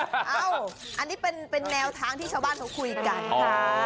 อันนี้เป็นแนวทางที่ชาวบ้านเขาคุยกันค่ะ